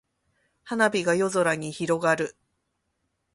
花火が夜空に広がる。